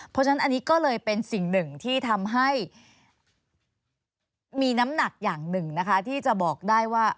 เพราะฉะนั้นอันนี้ก็เลยเป็นสิ่งหนึ่งที่ทำให้มีน้ำหนักอย่างหนึ่งนะคะที่จะบอกได้ว่า